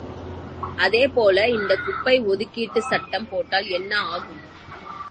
அதே போல இந்தக் குப்பை ஒதுக்கீடு சட்டம் போட்டால் என்ன ஆகும்?